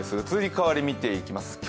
移り変わりを見ていきます。